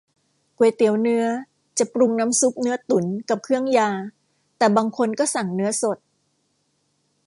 ก๋วยเตี๋ยวเนื้อ จะปรุงน้ำซุปเนื้อตุ๋นกับเครื่องยา แต่บางคนก็สั่งเนื้อสด